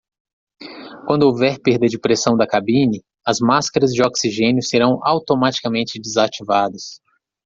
Quando houver perda de pressão da cabine?, as máscaras de oxigênio serão automaticamente desativadas.